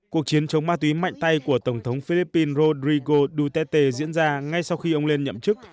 cuộc chiến chống ma túy mạnh tay của tổng thống philippines rodrigo duterte diễn ra ngay sau khi ông lên nhậm chức